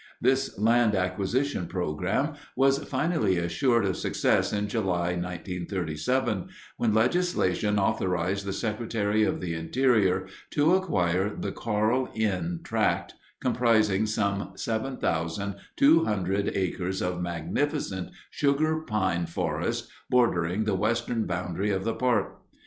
This land acquisition program was finally assured of success in July, 1937, when legislation authorized the Secretary of the Interior to acquire the Carl Inn Tract, comprising some 7,200 acres of magnificent sugar pine forest bordering the western boundary of the park.